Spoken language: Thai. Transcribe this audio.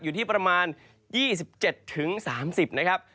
อยู่ที่ประมาณ๒๗๓๐นะครับ